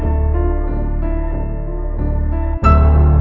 kita akan siapkan